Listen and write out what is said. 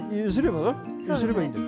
ゆすればいいんだよ。